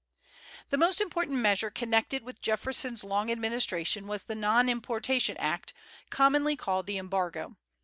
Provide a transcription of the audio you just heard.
The most important measure connected with Jefferson's long administration was the Non importation Act, commonly called the Embargo.